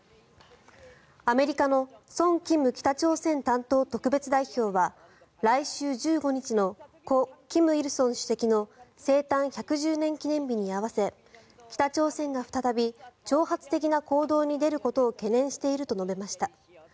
アメリカのソン・キム北朝鮮担当特別代表は来週１５日の故・金日成主席の生誕１１０年記念日に合わせ北朝鮮が再び挑発的な行動に出ることを懸念していると述べました。